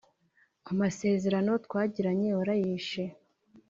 amasezerano twagiranye warayishe